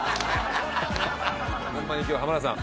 ホンマに今日浜田さん